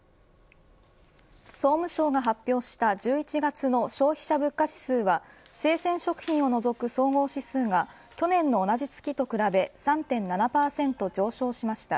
総務省が発表した１１月の消費者物価指数は生鮮食品を除く総合指数が去年の同じ月と比べ３．７％上昇しました。